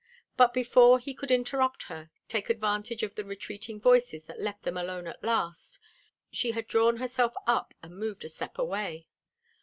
But before he could interrupt her, take advantage of the retreating voices that left them alone at last, she had drawn herself up and moved a step away.